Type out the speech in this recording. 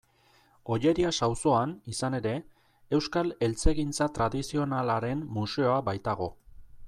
Ollerias auzoan, izan ere, Euskal Eltzegintza Tradizionalaren Museoa baitago.